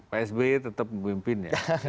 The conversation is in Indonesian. pak sby tetap pemimpinnya